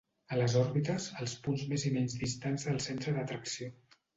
A les òrbites, els punts més i menys distants del centre d'atracció.